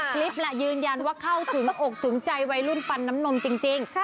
คลิปแหละยืนยันว่าเข้าถึงอกถึงใจวัยรุ่นปันน้ำนมจริง